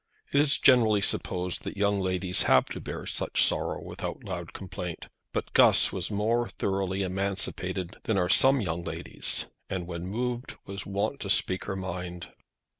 It is generally supposed that young ladies have to bear such sorrow without loud complaint; but Guss was more thoroughly emancipated than are some young ladies, and when moved was wont to speak her mind.